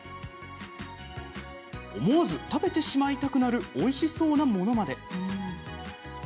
思わず食べてしまいたくなるおいしそうなものまで。